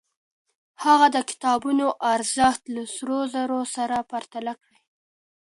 هغه د کتابونو ارزښت له سرو زرو سره پرتله کړ.